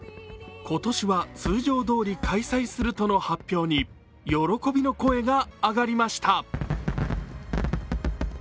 今年は通常どおり開催するとの発表に、喜びの声が上がりました。